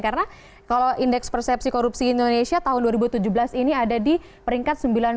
karena kalau indeks persepsi korupsi indonesia tahun dua ribu tujuh belas ini ada di peringkat sembilan puluh